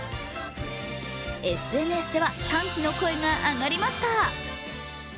ＳＮＳでは歓喜の声が上がりました。